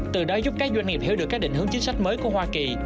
từ đó giúp các doanh nghiệp hiểu được các định hướng chính sách mới của hoa kỳ